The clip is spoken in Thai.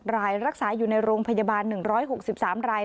รายรักษาอยู่ในโรงพยาบาล๑๖๓ราย